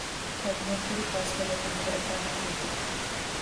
Кабинетхэри классхэри ятӏонэрэ этажым тетых.